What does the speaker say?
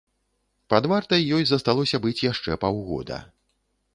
Пад вартай ёй засталося быць яшчэ паўгода.